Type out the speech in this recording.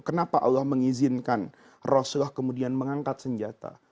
kenapa allah mengizinkan rasulullah kemudian mengangkat senjata